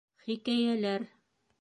Хикәйәләр